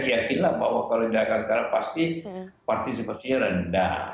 jadi jadi yakinlah kalau dilaksanakan sekarang pasti partisipasinya rendah